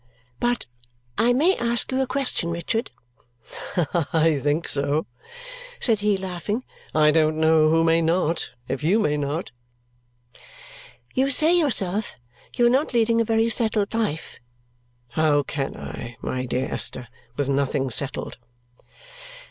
"But I may ask you a question, Richard?" "I think so," said he, laughing. "I don't know who may not, if you may not." "You say, yourself, you are not leading a very settled life." "How can I, my dear Esther, with nothing settled!"